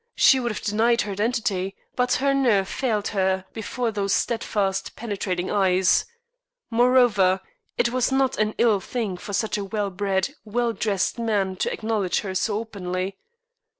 She would have denied her identity, but her nerve failed her before those steadfast, penetrating eyes. Moreover, it was not an ill thing for such a well bred, well dressed man to acknowledge her so openly.